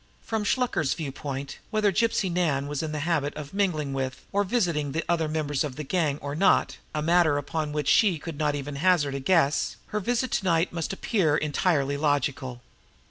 From Shluker's viewpoint, whether Gypsy Nan was in the habit of mingling with or visiting the other members of the gang or not a matter upon which she could not even hazard a guess her visit to night must appear entirely logical.